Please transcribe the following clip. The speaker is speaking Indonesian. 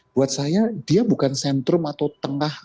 buat saya dia bukan sentrum atau tengah